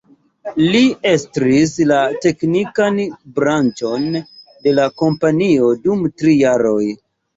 Li estris la teknikan branĉon de la kompanio dum tri jaroj.